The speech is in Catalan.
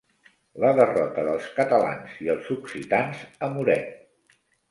La derrota dels catalans i els occitans a Muret.